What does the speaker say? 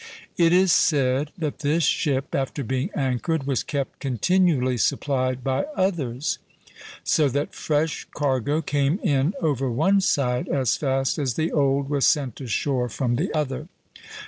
It is said that this ship, after being anchored, was kept continually supplied by others, so that fresh cargo came in over one side as fast as the old was sent ashore from the other.